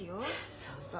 そうそう。